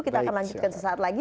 kita akan lanjutkan sesaat lagi